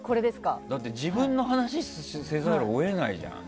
だって自分の話をせざるを得ないじゃん。